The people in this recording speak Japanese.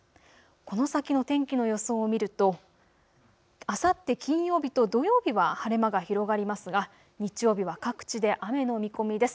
この先の天気の予想を見るとあさって金曜日と土曜日は晴れ間が広がりますが、日曜日は各地で雨の見込みです。